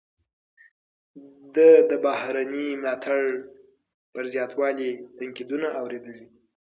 ده د بهرني ملاتړ پر زیاتوالي تنقیدونه اوریدلي.